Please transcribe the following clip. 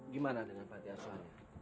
gimana dengan perhatihan suaranya